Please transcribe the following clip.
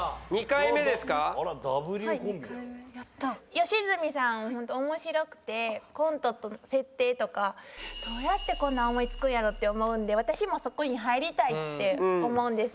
吉住さんはホント面白くてコントの設定とかどうやってこんなん思い付くんやろって思うんで私もそこに入りたいって思うんです。